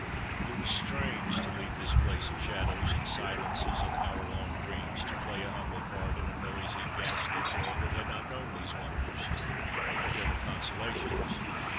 It was strange to leave this place of shadows and silences and hour long dreams to play a humble part in a noisy, gas lit world that had not known these wonders ; but there were consolations.